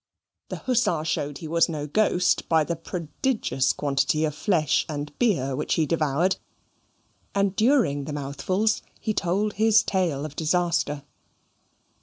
The hussar showed he was no ghost by the prodigious quantity of flesh and beer which he devoured and during the mouthfuls he told his tale of disaster.